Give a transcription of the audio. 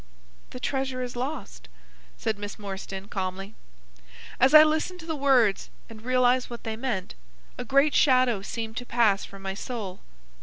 "The treasure is lost," said Miss Morstan, calmly. As I listened to the words and realised what they meant, a great shadow seemed to pass from my soul.